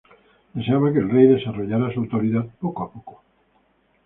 Deseaba que el rey desarrollara su autoridad poco a poco.